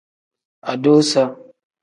Adusa.